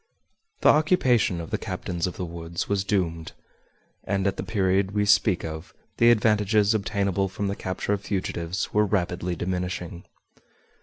The occupation of the captains of the woods was doomed, and at the period we speak of the advantages obtainable from the capture of fugitives were rapidly diminishing.